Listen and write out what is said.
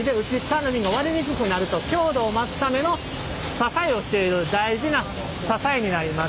かわの瓶が割れにくくなると強度を増すための支えをしている大事な支えになります。